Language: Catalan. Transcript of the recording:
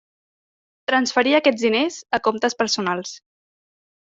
Transferí aquests diners a comptes personals.